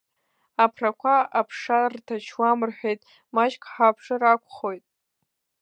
Аԥрақәа аԥша рҭачуам рҳәеит, маҷк ҳааԥшыр акәхоит.